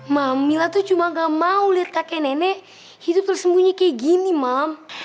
mam mila tuh cuma gak mau liat kakek nenek hidup tersembunyi kayak gini mam